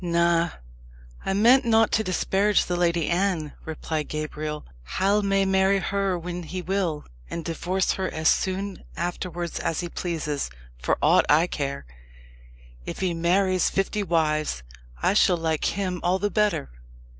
"Na I meant not to disparage the Lady Anne," replied Gabriel. "Hal may marry her when he will, and divorce her as soon afterwards as he pleases, for aught I care. If he marries fifty wives, I shall like him all the better.